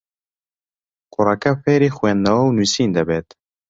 کوڕەکە فێری خوێندنەوە و نووسین دەبێت.